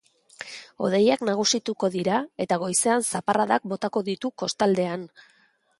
Hodeiak nagusituko dira eta goizean zaparradak botako ditu kostaldean.